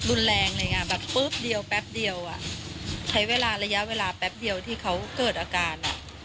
รุนแรงเลยไงแบบปุ๊บเดียวแป๊บเดียวอ่ะใช้เวลาระยะเวลาแป๊บเดียวที่เขาเกิดอาการอ่ะ